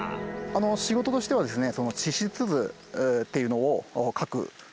仕事としてはですね